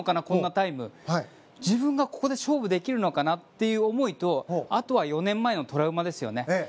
こんなタイム自分がここで勝負できるのかなっていう思いとあとは４年前のトラウマですよね。